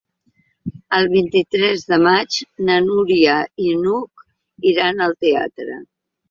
El vint-i-tres de maig na Núria i n'Hug iran al teatre.